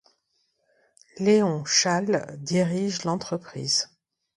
Léon Challe dirige l'entreprise.